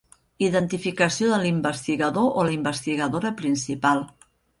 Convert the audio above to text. Identificació de l'investigador o la investigadora principal.